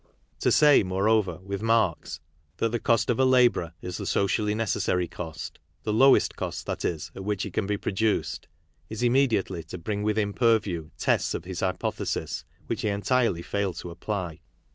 To say, moreover, with Marx that the " cost of a labourer is the socially necessary cost," the lowest cost, that is, at which he can be produced, is immediately to bring within purview tests of his hypothesis which he entirely failed to apply.